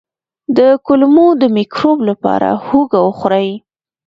د کولمو د مکروب لپاره هوږه وخورئ